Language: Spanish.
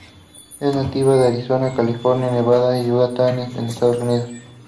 Es nativa de Arizona, California, Nevada y Utah en Estados Unidos.